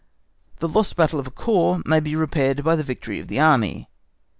The lost battle of a corps may be repaired by the victory of the Army.